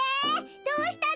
どうしたの？